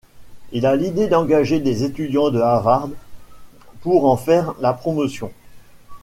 Il a l'idée d'engager des étudiants de Harvard pour en faire la promotion.